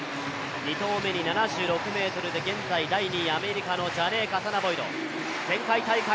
２投目に７６ｍで現在第２位アメリカのジャネー・カサナボイド。